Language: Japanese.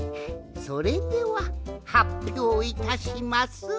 それでははっぴょういたします。